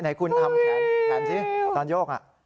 ไหนคุณทำแขนแขนสิตอนโยกอ่ะ